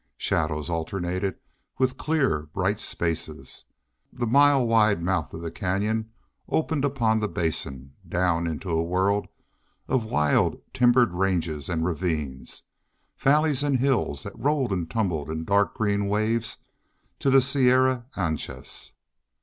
Shadows alternated with clear bright spaces. The mile wide mouth of the canyon opened upon the Basin, down into a world of wild timbered ranges and ravines, valleys and hills, that rolled and tumbled in dark green waves to the Sierra Anchas.